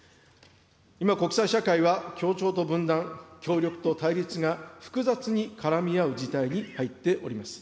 今、国際社会は協調と分断、協力と対立が、複雑に絡み合う時代に入っております。